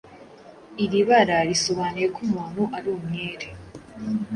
iri bara risobanura ko umuntu ari umwere